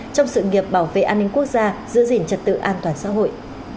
trong sự nghiệp bảo vệ an ninh quốc gia giữ gìn trật tự an toàn xã hội